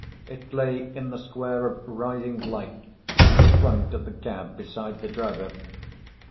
It lay in the square of writhing light in the front of the cab beside the driver.